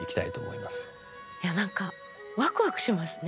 いや何かワクワクしますね。